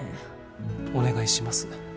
お願いします。